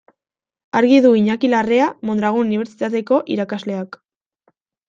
Argi du Iñaki Larrea Mondragon Unibertsitateko irakasleak.